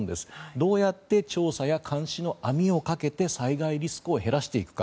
どうやって調査や監視の網をかけて災害リスクを減らしていくか。